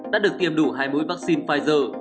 đã được tiêm đủ hai mũi vaccine pfizer